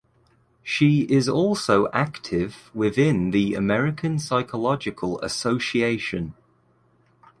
She is also active within the American Psychological Association.